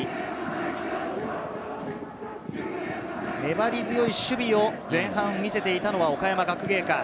粘り強い守備を前半見せていたのは岡山学芸館。